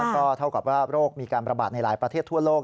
ก็เท่ากับว่าโรคมีการประบาดในหลายประเทศทั่วโลก